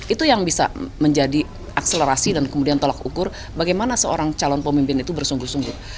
itu yang bisa menjadi akselerasi dan kemudian tolak ukur bagaimana seorang calon pemimpin itu bersungguh sungguh